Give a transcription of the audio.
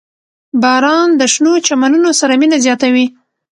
• باران د شنو چمنونو سره مینه زیاتوي.